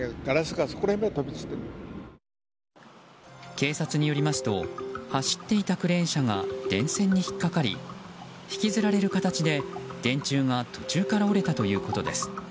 警察によりますと走っていたクレーン車が電線に引っかかり引きずられる形で電柱が途中から折れたということです。